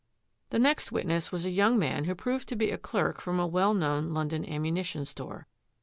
The next witness was a young man who proved to be a clerk from a well known London ammuni tion store.